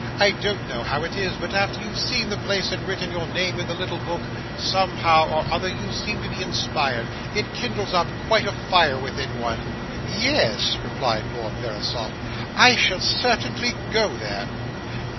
'I don't know how it is, but after you've seen the place and written your name in the little book, somehow or other you seem to be inspired; it kindles up quite a fire within one.' 'Ye es!' replied Lord Verisopht, 'I shall certainly go there.